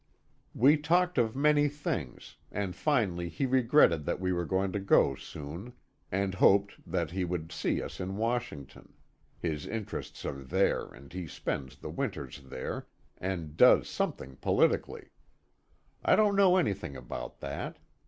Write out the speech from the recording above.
We talked of many things, and finally he regretted that we were going so soon, and hoped that he would see us in Washington his interests are there, and he spends the winters there, and does something politically. I don't know anything about that.